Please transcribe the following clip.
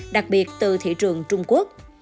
đặc biệt từ thị trường trung quốc